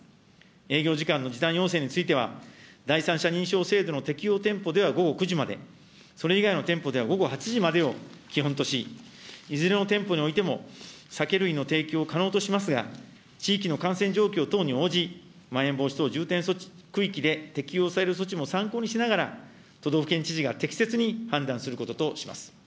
営業時間の時短要請については、第三者認証制度の適用店舗では午後９時まで、それ以外の店舗では午後８時までを基本とし、いずれの店舗においても、酒類の提供を可能としますが、地域の感染状況等に応じ、まん延防止等重点措置区域で適用される措置も参考にしながら、都道府県知事が適切に判断することとします。